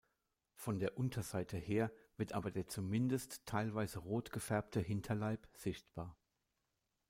Von der Unterseite her wird aber der zumindest teilweise rot gefärbte Hinterleib sichtbar.